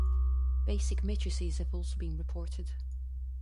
Basic matrices have also been reported.